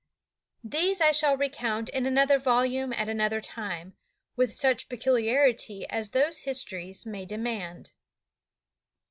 These I shall recount in another volume at another time, with such particularity as those histories may demand.